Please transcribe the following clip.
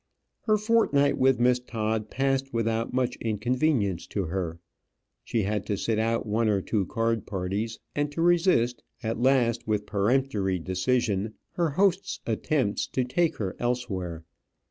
Her fortnight with Miss Todd passed without much inconvenience to her. She had to sit out one or two card parties; and to resist, at last with peremptory decision, her host's attempts to take her elsewhere.